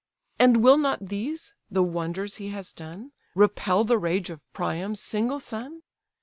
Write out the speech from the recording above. And will not these (the wonders he has done) Repel the rage of Priam's single son?